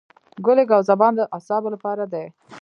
ګل ګاو زبان د اعصابو لپاره دی.